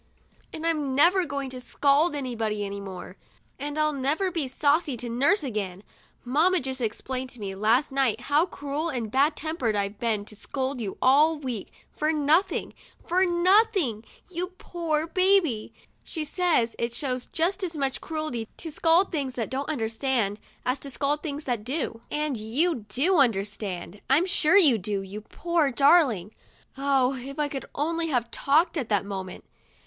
And 'm never going to scold anybody any more, and I'll never be saucy to nurse again, lamma just explained to me, last jht, how cruel and ad tempered I've been to scold you all week for nothing — for nothing, you poor baby! She says it shows just as much cruelty to scold Oh, If I could only have talked at that moment! SATURDAY— MY MAMMA LOVES ME things that don't understand as to scold things that do. And you do understand ; I'm sure you do, you poor dar ling !' (Oh, if I could only have talked at that moment